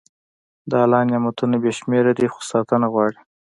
د الله نعمتونه بې شمېره دي، خو ساتنه غواړي.